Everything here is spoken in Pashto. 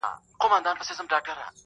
پر ښو تلوار، پر بدو ځنډ.